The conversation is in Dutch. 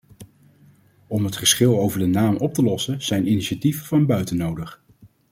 Om het geschil over de naam op te lossen zijn initiatieven van buiten nodig.